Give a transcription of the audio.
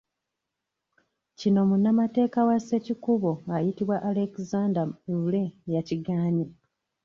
Kino munnamateeka wa Ssekikubo, ayitibwa Alexander Lure, yakigaanye.